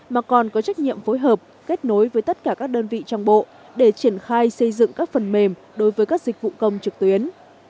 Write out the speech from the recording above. mà còn có trách nhiệm phối hợp kết nối với tất cả các đơn vị trong bộ để triển khai xây dựng các phần mềm đối với các dịch vụ công trực tuyến